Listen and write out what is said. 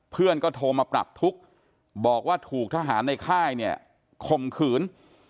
เพื่อนก็โทรมาปรับทุกข์บอกว่าถูกทหารในค่ายเนี่ยข่มขืน